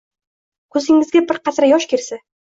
Ko’zingizga bir qatra yosh kelsa